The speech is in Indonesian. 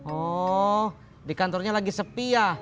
oh di kantornya lagi sepi ya